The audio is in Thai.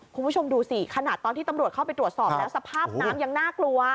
คุณผู้ชมดูสิขนาดตอนที่ตำรวจเข้าไปตรวจสอบแล้วสภาพน้ำยังน่ากลัว